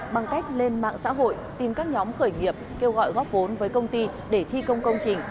bằng cách lên mạng xã hội tìm các nhóm khởi nghiệp kêu gọi góp vốn với công ty để thi công công trình